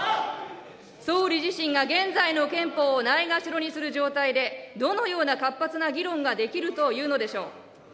総理自身が現在の憲法を蔑ろにする状態で、どのような活発な議論ができるというのでしょう。